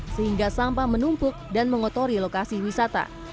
sehingga sampah menumpuk dan mengotori lokasi wisata